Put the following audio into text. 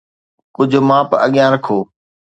ڪجهه ماپ اڳيان رکو